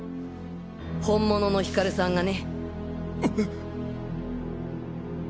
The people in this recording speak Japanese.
本物のヒカルさんがね。